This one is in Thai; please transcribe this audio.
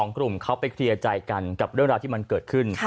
กลุ่มเขาไปเคลียร์ใจกันกับเรื่องราวที่มันเกิดขึ้น